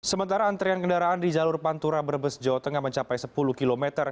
sementara antrian kendaraan di jalur pantura brebes jawa tengah mencapai sepuluh km